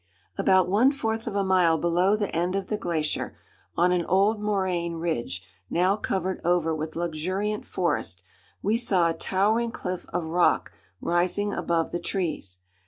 About one fourth of a mile below the end of the glacier, on an old moraine ridge now covered over with luxuriant forest, we saw a towering cliff of rock rising above the trees.